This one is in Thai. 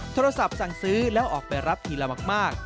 โทรศัพท์สั่งซื้อแล้วออกไปรับทีละมาก